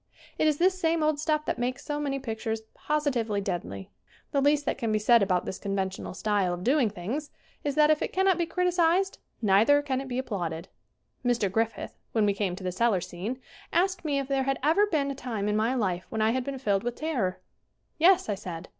It is this same old stuff that makes so many pictures positively deadly. The least that can be said about this conventional style of doing things is that, if it cannot be criticized, neither can it be applauded. Mr. Griffith, when we came to the cellar scene, asked me if there had ever been a time in my life when I had been filled with terror. "Yes," I said.